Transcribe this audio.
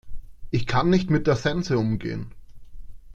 Ich kann nicht mit der Sense umgehen.